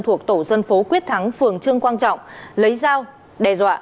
thuộc tổ dân phố quyết thắng phường trương quang trọng lấy dao đe dọa